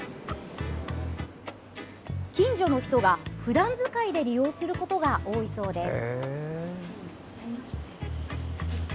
近所の人が、ふだん使いで利用することが多いそうです。